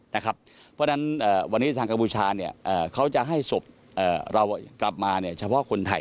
เพราะฉะนั้นวันนี้ทางกัมพูชาเขาจะให้ศพเรากลับมาเฉพาะคนไทย